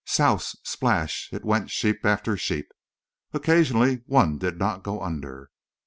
Souse! Splash! In went sheep after sheep. Occasionally one did not go under.